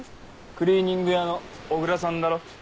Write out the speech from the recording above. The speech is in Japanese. クリーニング屋の小椋さんだろ。